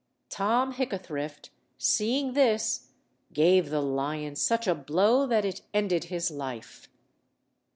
Tom Hickathrift, seeing this, gave the lion such a blow that it ended his life.